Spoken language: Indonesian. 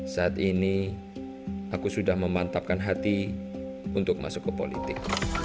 saat ini aku sudah memantapkan hati untuk masuk ke politik